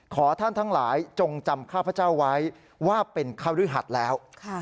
ขอท่านทั้งหลายจงจำข้าพเจ้าไว้ว่าเป็นคฤหัสแล้ว